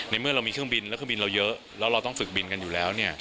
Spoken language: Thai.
เมื่อเรามีเครื่องบินแล้วเครื่องบินเราเยอะแล้วเราต้องฝึกบินกันอยู่แล้ว